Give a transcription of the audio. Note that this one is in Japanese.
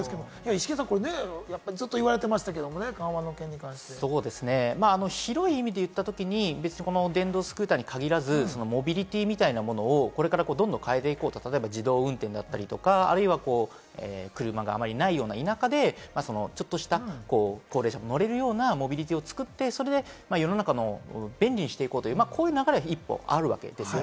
イシケンさん、ずっと言われてましたけれどもね、緩和の件に関して。広い意味で言ったときに、電動スクーターに限らずモビリティみたいなものをこれからどんどん変えていこう、自動運転だったり車が、あまりないような田舎で、ちょっとした高齢者も乗れるようなモビリティを作って、それで世の中を便利にしていこうという流れはあるわけです。